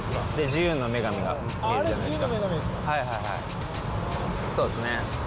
で、自由の女神が見えるじゃないですか。